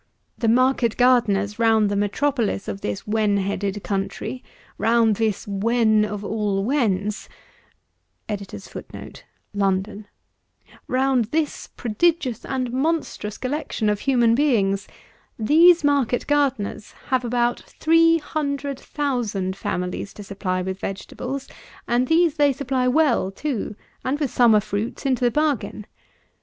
The market gardeners round the metropolis of this wen headed country; round this Wen of all wens; round this prodigious and monstrous collection of human beings; these market gardeners have about three hundred thousand families to supply with vegetables, and these they supply well too, and with summer fruits into the bargain.